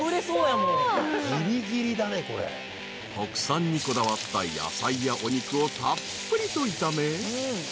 ［国産にこだわった野菜やお肉をたっぷりと炒め］